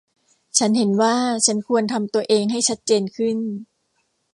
ฉันเห็นว่าฉันควรทำตัวเองให้ชัดเจนขึ้น